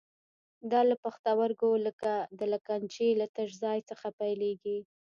دا له پښتورګو د لګنچې له تش ځای څخه پیلېږي.